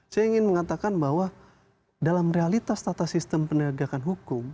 saya ingin mengatakan bahwa dalam realitas tata sistem penegakan hukum